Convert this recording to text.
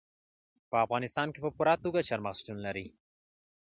په افغانستان کې په پوره توګه چار مغز شتون لري.